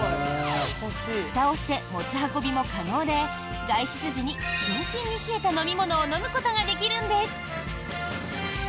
ふたをして持ち運びも可能で外出時にキンキンに冷えた飲み物を飲むことができるんです。